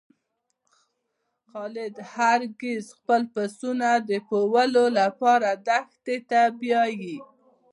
خالد هر ګیځ خپل پسونه د پوولو لپاره دښتی ته بیایی.